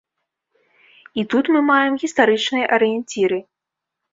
І тут мы маем гістарычныя арыенціры.